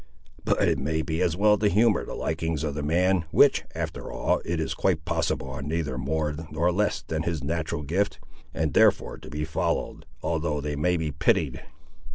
"But it may be as well to humour the likings of the man, which, after all, it is quite possible are neither more nor less than his natural gift, and therefore to be followed, although they may be pitied.